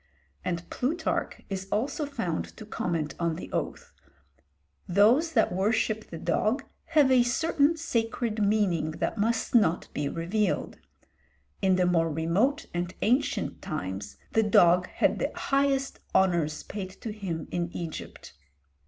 and Plutarch is also found to comment on the oath, "those that worship the dog have a certain sacred meaning that must not be revealed; in the more remote and ancient times the dog had the highest honours paid to him in Egypt."